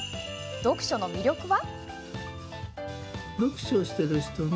読書の魅力は？